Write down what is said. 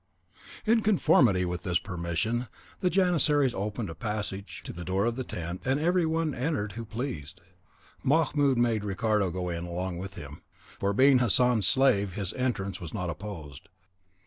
In conformity with this permission the janissaries opened a passage to the door of the tent, and every one entered who pleased. Mahmoud made Ricardo go in along with him, for being Hassan's slave his entrance was not opposed.